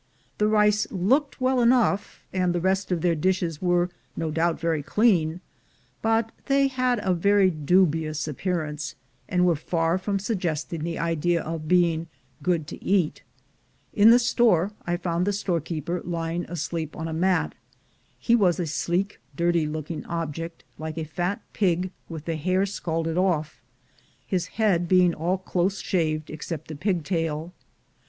The rice looked well enough, and the rest of their dishes were no doubt very clean, but they had a very dubious appearance, and were far from suggesting the idea of being good to eat. In the store I found the storekeeper lying asleep on a mat. He was a sleek dirty looking object, like a fat pig with the hair scalded off, his head being all close shaved excepting the pigtail.